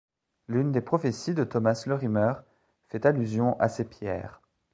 L'une des prophéties de Thomas le Rhymer fait allusion à ces pierres.